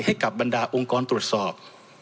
ให้กับบรรดาองค์กรตรวจสอบ